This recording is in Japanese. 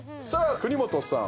国本さん